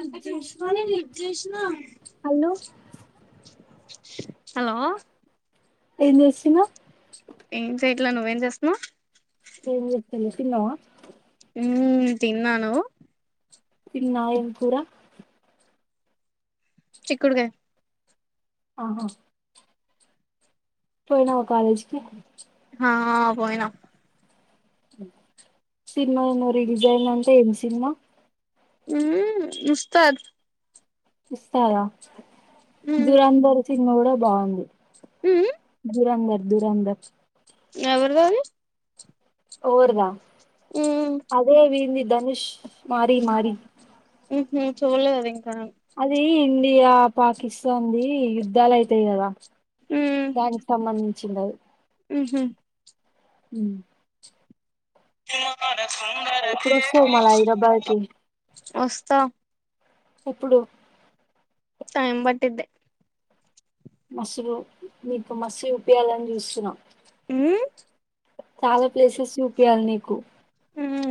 అంటే చూసుకొని నీకు చేయొచ్చుగా హలో స్ హలో ఎం జేస్తున్నవ్ ఏ సెట్ అట్లా నువ్వేం చేస్తున్నవ్ ఏం జేత్తలే తిన్నవా ఉ తిన్నాను తిన్న ఏం కూర చిక్కుడుగాయ్ ఆహా పోయినవా కాలేజికి హా పోయినా సినిమా ఏందో రిలీజ్ అయిందంట ఏం సినిమా ఉమ్ ఉస్తాద్ ఉస్తాదా మ్మ్ దురంధర్ సినిమా గూడం బాగుంది దురంధర్ దురంధర్ ఏవర్ రురారి ఓర్ దా మ్మ్ అదే విన్ది ధనుష్ మారి మారి ఉ హు చూడలేదు ఆది ఇంకా కణం ఈ ఇండియా పాకిస్తాన్ ది యుద్ధాలు అయితాయి గదా దానికి సంబంది చింది అది ఉహు ఉ సినిమ [unintelligible] ఇప్పుడు వాస్తవ మల హైదరాబాద్ కి వస్తా ఎప్పుడు టైమ్ బట్టిది. మసలు నీకు మసి చుపయాలని చూస్తున్నాం. ఊ చాలా ప్లేసెస్ చూపియ్యాలి నీకు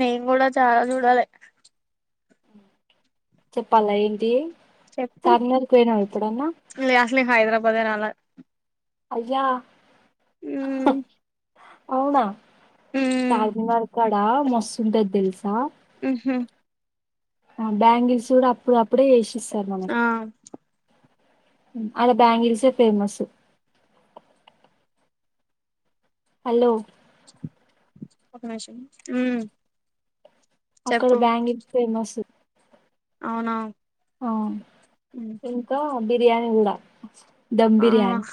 నేను కూడా చాలా చూడాలి. చెప్పాలా ఏంటి. చెప్పు చార్మినార్కి పోయినావ ఎప్పుడన్నా లే అసలు హైదరాబాదనా రాల అయ్యా ఊ అవునా చార్మినార్ కడా మస్తుంటది తెలుసా. ఉహమ్ బ్యాంగల్సూ అప్పుడు అప్పుడే చేసి ఆ అలా బ్యాంగిల్స్ లె ఫేమస్ హలో ఒక నిమిషం ఉ అక్కడ బ్యాంగిల్ ఫేమస్ అవునా అ ఇంకా బిర్యానీ కూడా దమ్ ఆ బిర్యానీ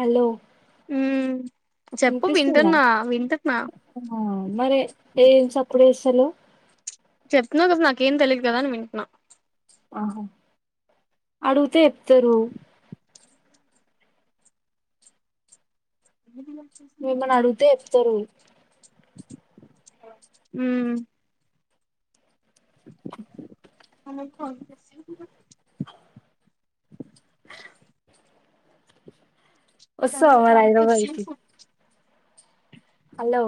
హలో హు ఇనిపిస్తుంద మరి ఎం సప్పుడు చే హలో చెప్తున్నావు కదా, నాక ఏం తెలియదు కదా అని వింటున్నా. ఆహో అడుగుతే చెప్తారు. నువ్వమని అడిగితే చెప్తారు. ఊ [unintelligible] ఊ [unintelligible] వసో అమ హైదరాబాకి హలో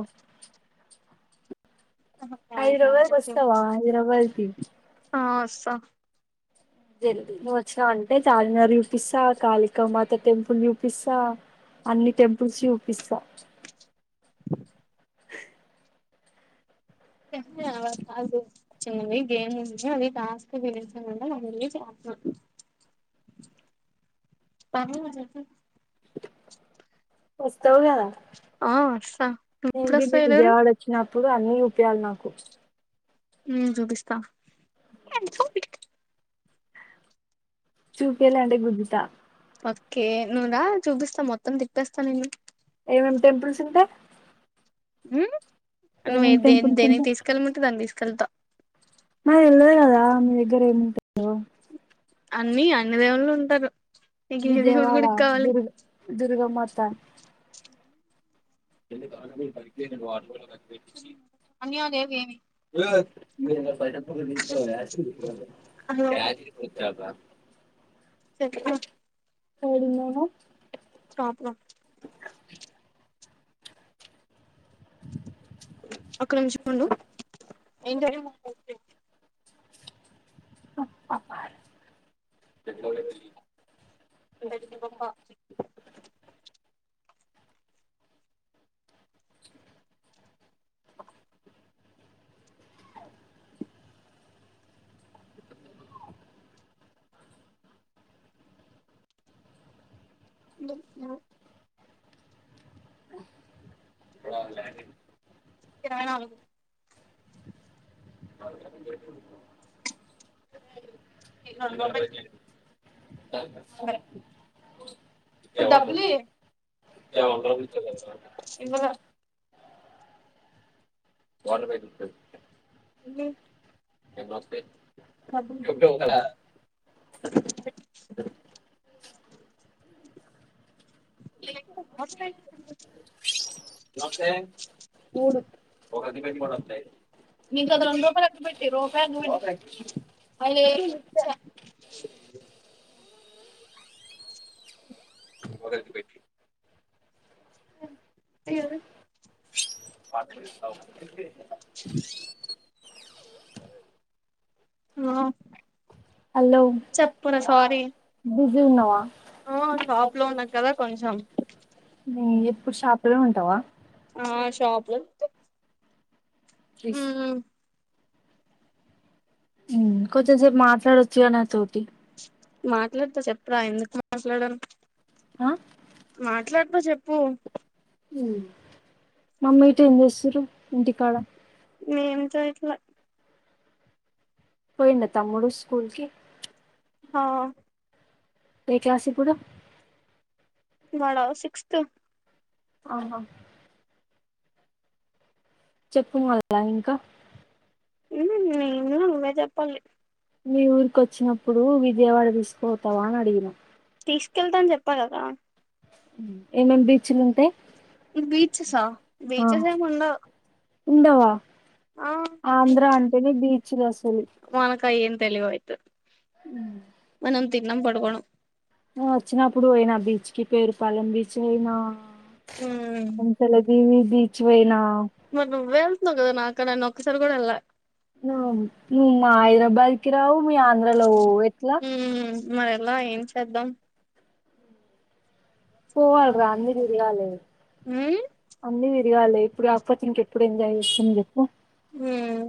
హైదరాబాద్ కు వస్తవా ఇరవై కి ఆ వస్త జల్ది నువు వచ్చినవ టే చార్మినార్ చూపిస్తా కాళికా మాత టెంపుల్ చూపిస్తా అన్ని టెంపుల్స్ చూపిస్తా నియవ్వ కాదు చిన్నవి గేమ్ ఉంది అది టాస్క్ గెలిచినవల్లె వన్ డే నుంచి ఆడుతున్నారు పర్లేదు మా ఉస్ ఆ వసా నువు ఎప్పుడు వస్తావు ఏలూరు ఇప్పుడు అన్ని చూపియాలే నాకు ఉ చూపిస్త ఆయామ్ హ్యాపీ చూపియలే అంటే గుద్దుత ఓకే నువ్వు రా చూపిస్తా మొత్తం తిప్పేస్తా నిన్ను ఏమేం టెంపుల్స్ ఉంటయి ఉ నువ్వు ఏ దేని టెంపుల్స్ దేనికి ఉంటాయి తీసుకెళ్ళమంటే దాని తీసు యెల్త నాకు తెల్వది కదా మీ దగ్గర ఏముంటాయో అన్ని అన్ని దేవుళ్లు ఉంటరు విజయవాడ దుర్గ దుర్గామాత ఎందుకు [unintelligible] పెటిచి అన్యదేవ ఏమి ఏమే వేణు గాడు బయటకు పొంగ తీసుకోవే యస్ టిస్ వచ్చేత కోడింగ్ యేన స్టాప్ రా కొంసేపు ఉండు ఎం జరిగిన ఫస్ట్ డే ఉప్ప పారు పెద్దొలిద్దరికి య వో రెండు వందల ల్యాండింగ్ కిరణ అవదు మరత పిన్ పెట్టుకుంటున్నావా అది కనపట్లేదు త అదే ఓ డబ్బులులి ఇవ్వలే ఆ [inaudible] [inaudible] వేలు నా హలో సారీ జీ ఉన్నావా ఆ షాప్ లో ఉన్నా కదా కొంచెం [inaudible] ఇప్పుడు షాపులో ఉంటావా ఆ షాపులు త్రీస్ కొంచెంసేపు మాట్లాడొచ్చగా నా తోటి మాట్లాడతా చెప్పురా ఎందుకు మాట్లాడను ఆ మాట్లాడు బ చెప్పు మ్ మమ్మీటి ఏం చేస్తురు ఇంటికాడ నేమ్ తో ఇట్లా పోయిన్న తమ్ముడు స్కూల్కి హ ఏ క్లాస్ ఇపుడు వాడ సిక్స్త్ ఆహ చెప్పు మల్ల ఇంకా ఉ నేను నువ్వే జెప్పల్లి మీ ఊరుకొచ్చినాం ప్పుడు విజయవాడ తీస్ పోతావా అని అడిగిన తీసుకెళ్తా అని చెప్పా గదా ఏమేమ్ బీచ్లు ఉంటే బీచసా బీచస్ ఏముండవ్ ఉండవ ఆంధ్రా అంటేనే బీచ్లు అసలు తెలీవ్ అయితే థిన్డం పడుకోడం నువ్ వచ్చినప్పుడు అయినా బీచ్ కి పేరు పాలెం బీచ్ పోయినా కొంచల దీవి బీచ్ పోయినా మరీ నువ్వే ఎల్తున్నావ్ కదా నా ఇక్కడన్న ఒక్కసారి కూడా వెళ్ళ ను నువ్వు మా హైదరాబాద్కి రావు మీ ఆంధ్రలో పోవు ఎట్లా లా ఏం చేద్దాం పోవాల రా అన్నీ దిరగాలి ఊమ్ తిరగాలి ఇప్పుడు కాకపోతే ఇంకెప్పుడు ఎంజాయ్ చేస్తం చెప్పు ఉమ్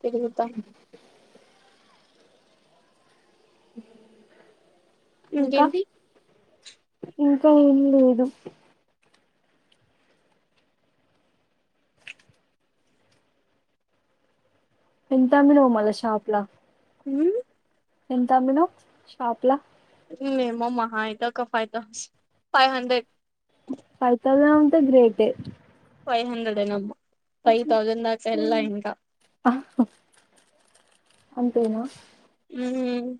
తెరుగుతా [inaudible] ఇంకా ఇంకేంటి ఇంకా ఏం లేదు ఎంత అమ్మినావ్ మళ శాప లా ఊమ్ ఎంత అమ్మినావ్ షాప్ల ఏమో మహా అయితే ఒక ఫైదా ఫైవ్ హండ్రెడ్ ఫ తదనంట గ్రేట ఫైవ్ హండ్రెడ్ యే నమ్ ఫైవ్ తౌజండ్ందాక ఎల్లల ఇంకా ఆ, అంతేనా ఉమ్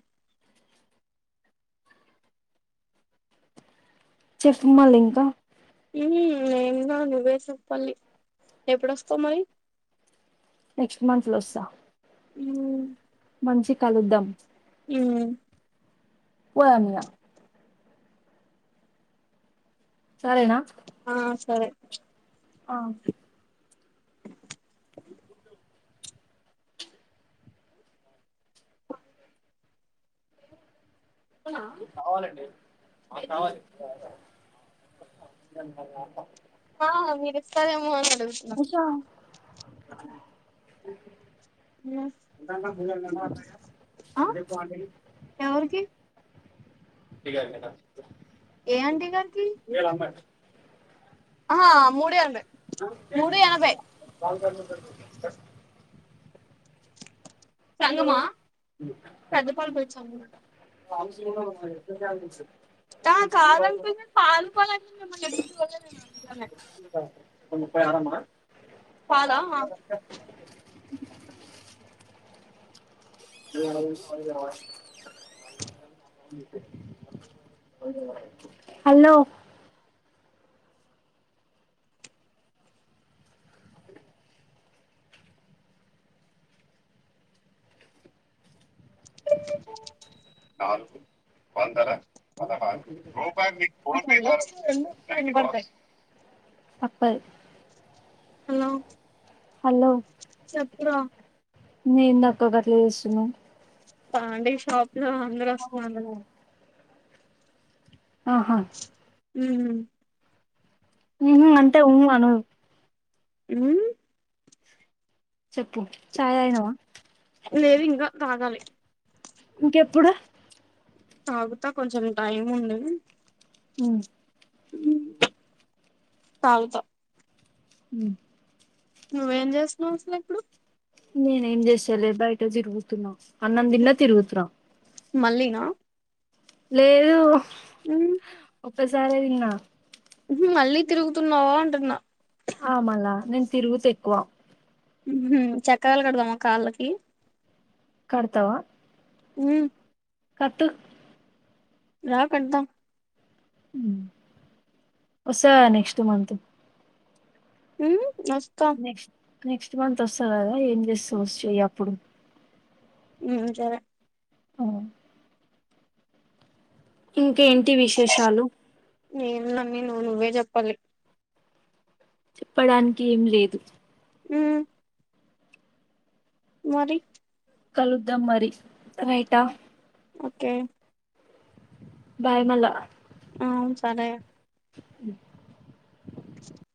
చెస్తు మళ ఇంకా నేన్నా నువ్వే చెప్పల్లి ఎప్పుడుొస్తావు మరి నెక్స్ట్ మంత్లొసా ఉమ్ మంచి కలుద్దాం ఉమ్ పోధం ధా సరేనా ఆ సరే ఆ అ కావాలండి మేక్ కావాలి ఆ మీరు ఇస్తారేమో అని అడుగుతున్న ఉషా, ఇ ఆ అ ఎవరికి [inaudible] ఏ ఆంటీ గారికి ఆహా మూడు ఎనభై మూడు ఎనభై [inaudible] సంగమా పెద్దపాలు పోయి సంగం ఆ కాదనుకున్నా పాలు పాలు అంటే మిమ్మల్ని ఎప్పుడు చూడలేదు నేను అందుకనే పాలా ఆ [unintelligible] హలో పందర వినపడతాయి అప్ప [unintelligible] హలో హలో చెప్పురా చెప్పిగా నేందక్కా గట్ల ఏస్తున్నవ్ పాండీ షాప్ లో అందరు ఒస్తున్నారు ఆహా ఊ ఉ అంటే ఉ అను ఊమ్ చెప్పు చాయ్ తాగినవా లేదు ఇంకా తాగాలి ఇంకెప్పుడు తాగుతా కొంచెం టైం ఉంది ఊ ఊమ్ తాగుతా ఉ నువ్వేం జెస్తున్నావు అసలు ఇప్పుడు నేనేం జెసలే బయ్ ట తిరుగుతున్నా అన్నం దిన్న తిరుగుతున్నా మళ్లినా లేదు ఊ ఒక్కసారే దిన్న ఇపుడు మళ్ళీ తిరుగుతున్నావా అంటున్నా ఆ మల్ల నేను తిరుగుత ఎక్కువ ఉహు చక్రాలు కడదామ కాళ్ళకి కడతవ ఉ కట్టు రా కడత ఊ వస్తగా నెక్స్ట్ మంతు ఊ ఒస్తా. నెక్స్ట్ నెక్స్ట్ మంత్ వస్తావ్ కదా ఏం చేస్త వచ్చ అప్పుడు హ్మ్ చరే హ్మ్ ఇ ఏంటి విశేషాలు ఏం ఉంది అన్ని నువ్ నువ్వే చెప్పాలి చెప్పడానికి ఏం లేదు హ్మ్ మరి కలుద్దాం మరి రైటా ఒకే బాయ్ మళ్ళ ఆవున్ సరే మ్మ్